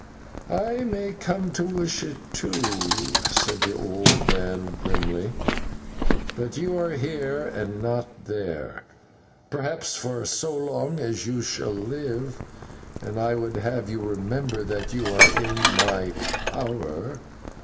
"I may come to wish it, too," said the old man grimly. "But you are here and not there, perhaps for so long as you shall live, and I would have you remember that you are in my power.